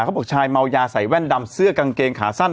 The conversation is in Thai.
เขาบอกชายเมายาใส่แว่นดำเสื้อกางเกงขาสั้น